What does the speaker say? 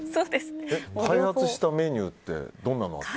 開発したメニューってどんなの？